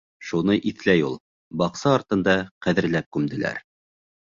Шуны иҫләй ул. Баҡса артында ҡәҙерләп күмделәр.